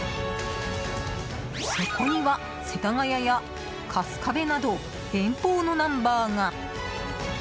そこには、世田谷や春日部など遠方のナンバーが。